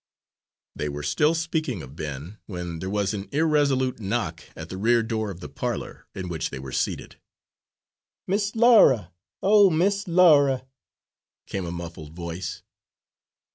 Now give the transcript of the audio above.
They were still speaking of Ben, when there was an irresolute knock at the rear door of the parlour, in which they were seated. "Miss Laura, O Miss Laura," came a muffled voice.